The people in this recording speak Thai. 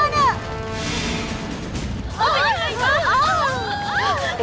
เย็นไงด้วย